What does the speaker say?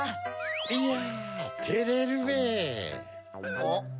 いやてれるべ。